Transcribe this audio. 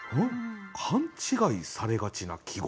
「勘違いされがちな季語」？